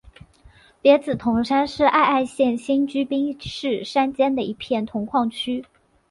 别子铜山是爱媛县新居滨市山间的一片铜矿区。